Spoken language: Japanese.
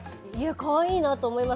かわいいと思います。